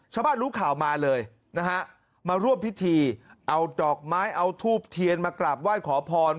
ชาวบ้านรู้ข่าวมาเลยนะฮะมาร่วมพิธีเอาดอกไม้เอาทูบเทียนมากราบไหว้ขอพร